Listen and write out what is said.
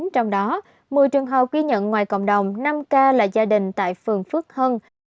trong đó một mươi trường hợp ghi nhận ngoài cộng đồng năm ca là gia đình tại phường phước hưng